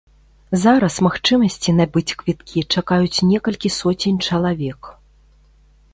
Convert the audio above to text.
Зараз магчымасці набыць квіткі чакаюць некалькі соцень чалавек.